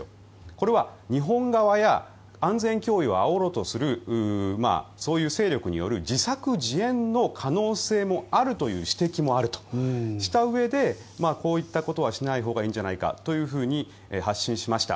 これは日本側や安全共有をあおろうとするそういう勢力による自作自演の可能性もあるという指摘もあるとしたうえでこういったことはしないほうがいいんじゃないかというふうに発信しました。